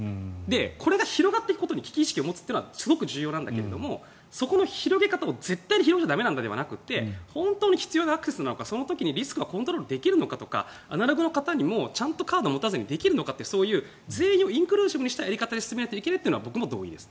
これが広がってくことに危機意識を持つのはすごく重要だけどそこの広げ方を本当に必要なアクセスなのかその時にリスクはコントロールできるのかとかアナログな方にもカードを持たずにできるのかとかそういう全員をインクルーシブしたやり方を進めていかないといけないのは同意です。